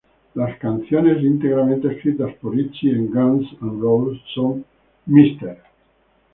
Las canciones íntegramente escritas por Izzy en Guns N' Roses son "Mr.